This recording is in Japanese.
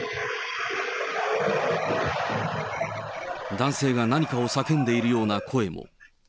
男性が何かを叫んでいるような声も。